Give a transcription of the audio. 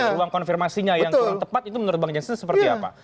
ruang konfirmasinya yang tepat itu menurut pak janssen seperti apa